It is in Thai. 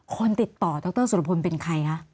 คนติดต่อดรสุรพลเป็นใครคะ